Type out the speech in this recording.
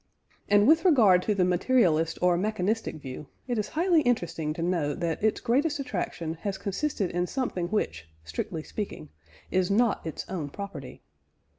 And with regard to the materialist or mechanistic view, it is highly interesting to note that its greatest attraction has consisted in something which, strictly speaking, is not its own property.